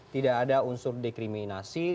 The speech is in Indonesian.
tidak ada unsur diskriminasi